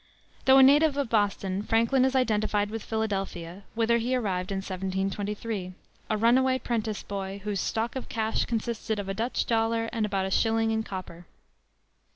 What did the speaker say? Though a native of Boston, Franklin is identified with Philadelphia, whither he arrived in 1723, a runaway 'prentice boy, "whose stock of cash consisted of a Dutch dollar and about a shilling in copper."